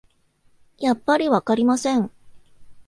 やっぱりわかりません